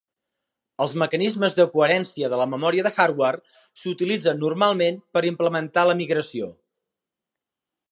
Els mecanismes de coherència de la memòria de hardware s"utilitzen normalment per implementar la migració.